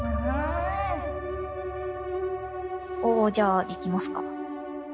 おおじゃあ行きますか。